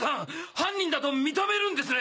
犯人だと認めるんですね！？